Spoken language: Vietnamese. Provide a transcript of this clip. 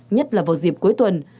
nhất là vào dịp cuối tuần